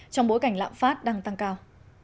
trong bối cảnh lạm phát đang tăng cao